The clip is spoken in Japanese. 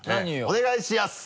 お願いしやす！